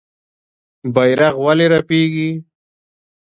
بیرغ ولې رپیږي؟